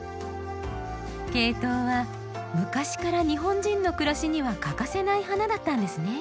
ケイトウは昔から日本人の暮らしには欠かせない花だったんですね。